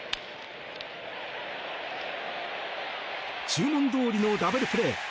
注文どおりのダブルプレー。